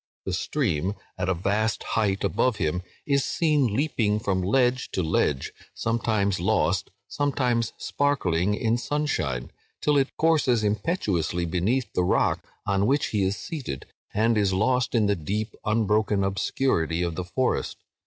The stream, at a vast height above him, is seen leaping from ledge to ledge—sometimes lost, sometimes sparkling in sunshine, till it courses impetuously beneath the rock on which he is seated, and is lost in the deep unbroken obscurity of the forest.